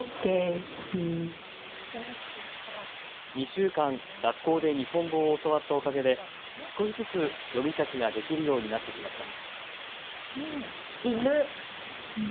２週間、学校で日本語を教わったおかげで少しずつ読み書きができるようになってきました。